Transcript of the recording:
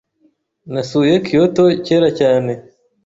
Nasuye Kyoto kera cyane. .